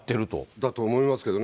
だと思いますけどね。